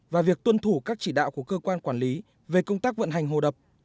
và việc tuân thủ các chỉ đạo của cơ quan quản lý về công tác vận hành hồ đập